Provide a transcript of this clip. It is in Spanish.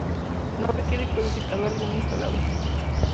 No requiere codificador alguno instalado.